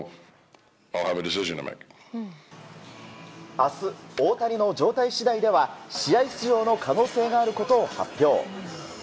明日、大谷の状態次第では試合出場の可能性があることを発表。